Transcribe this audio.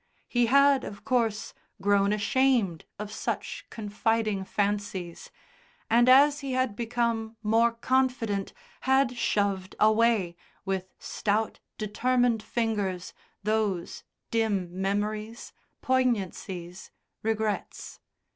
He had, of course, grown ashamed of such confiding fancies, and as he had become more confident had shoved away, with stout, determined fingers, those dim memories, poignancies, regrets.